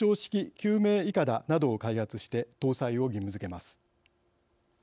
救命いかだ、などを開発して搭載を義務づけます。